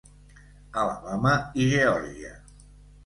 Alabama i Geòrgia.